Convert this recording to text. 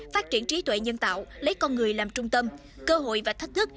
phát triển trí tuệ nhân tạo lấy con người làm trung tâm cơ hội và thách thức